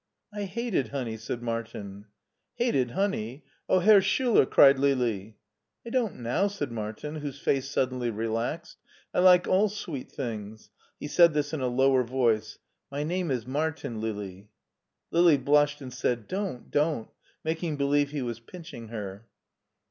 "I hated honey," said Martin. "Hated honey! oh, Herr Schiiler! " cried Lili. "I don't now," said Martin, whose face suddenly relaxed; "I like all sweet things," he said this in a lower voice. " My name is Martin, Lili." Lili blushed and said, " Don't, don't !" making be lieve he was pinching her.